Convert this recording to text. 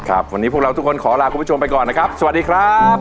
ครับวันนี้พวกเราทุกคนขอลาคุณผู้ชมไปก่อนนะครับสวัสดีครับ